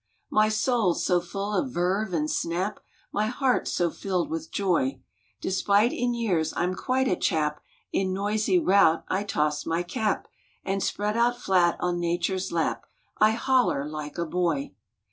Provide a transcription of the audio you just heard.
My soul s so full of verve and snap, My heart s so filled with joy, Despite in years I m quite a chap In noisy rout I toss my cap, And, spread out flat on Nature s lap, I holler like a boy